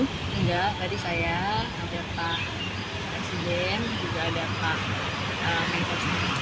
enggak tadi saya ada pak presiden juga ada pak manvers nini